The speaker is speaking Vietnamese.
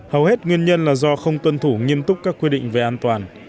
hầu hết nguyên nhân là do không tuân thủ nghiêm túc các quy định về an toàn